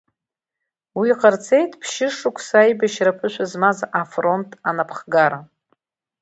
Уи ҟарҵеит ԥшьы-шықәса аибашьра аԥышәа змаз афронт анапхгара.